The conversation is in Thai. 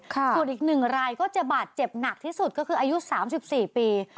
ส่วนอีก๑รายก็จะบาดเจ็บหนักที่สุดก็คืออายุ๓๔ปี